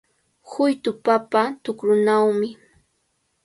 Huytu papa tukrunawmi.